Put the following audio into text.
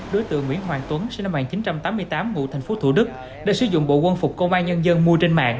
đối tượng nguyễn hoàng tuấn sinh năm một nghìn chín trăm tám mươi tám ngụ thành phố thủ đức đã sử dụng bộ quân phục công an nhân dân mua trên mạng